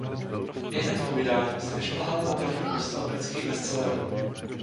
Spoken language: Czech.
Ihned po vydání se vyšplhala na první místo amerických bestsellerů.